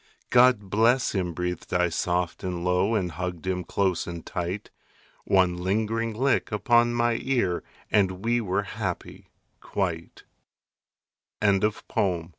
"God bless him," breathed I soft and low, And hugged him close and tight. One lingering lick upon my ear And we were happy quite. ANONYMOUS.